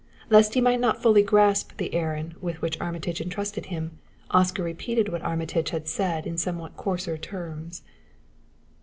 Lest he might not fully grasp the errand with which Armitage intrusted him, Oscar repeated what Armitage had said in somewhat coarser terms.